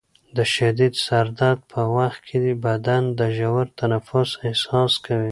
د شدید سر درد په وخت کې بدن د ژور تنفس احساس کوي.